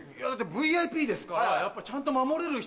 ＶＩＰですからやっぱちゃんと守れる人。